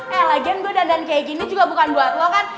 elegant dodan dandan kayak gini juga bukan buat lo kan